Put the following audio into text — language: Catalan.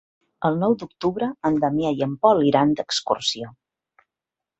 El nou d'octubre en Damià i en Pol iran d'excursió.